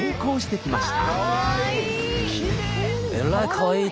かわいい！